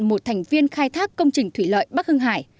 một thành viên khai thác công trình thủy lợi bắc hưng hải